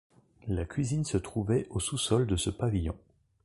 La cuisine se trouvait au sous-sol de ce pavillon.